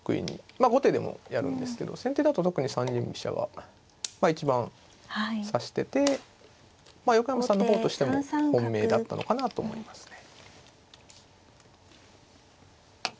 まあ後手でもやるんですけど先手だと特に三間飛車は一番指してて横山さんの方としても本命だったのかなと思いますね。